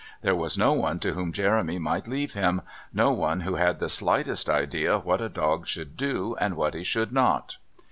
There was no one to whom Jeremy might leave him; no one who had the slightest idea what a dog should do and what he should not.